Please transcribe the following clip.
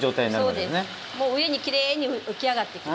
もう上にきれいに浮き上がってきます。